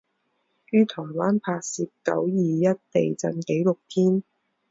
于台湾拍摄九二一地震纪录片。